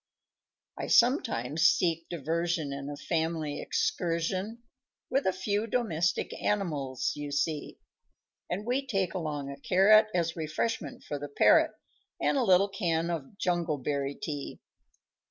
_ _I sometimes seek diversion In a family excursion With the few domestic animals you see; And we take along a carrot As refreshment for the parrot, And a little can of jungleberry tea.